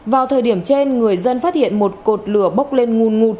vào thời điểm trên người dân phát hiện một cột lửa bốc lên nguồn ngụt